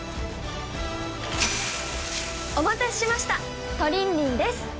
お待たせしましたトリンリンです